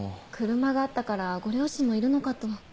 車があったからご両親もいるのかと。